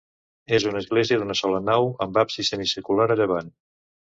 És una església d'una sola nau, amb absis semicircular a llevant.